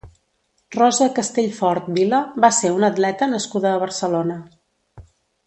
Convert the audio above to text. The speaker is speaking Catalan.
Rosa Castellfort Vila va ser una atleta nascuda a Barcelona.